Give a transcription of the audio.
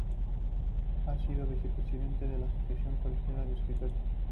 Ha sido vicepresidente de la Asociación Colegial de Escritores.